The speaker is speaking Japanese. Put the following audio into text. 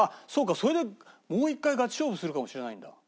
それでもう１回ガチ勝負するかもしれないんだ。